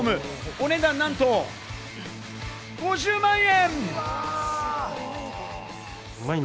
お値段なんと、５０万円！